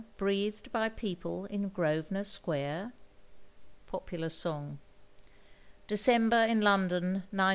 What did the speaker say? Breathed by people in Grosvenor Square! " Popular Sang. December in London, 1902.